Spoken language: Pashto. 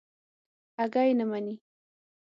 اگه يې نه مني.